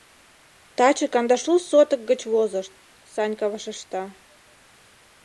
Таче кандашлу сотык гыч возышт, — Санька вашешта.